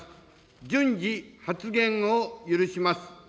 順次、発言を許します。